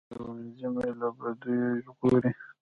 ښوونځی مو له بدیو ژغوري